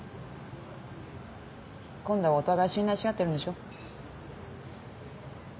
今度はお互い信頼し合ってるんでしょ？